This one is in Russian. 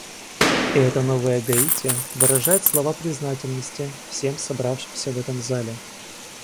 И эта новая Гаити выражает слова признательности всем собравшимся в этом зале.